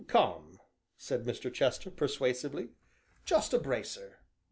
"Come," said Mr. Chester persuasively, "Just a bracer!"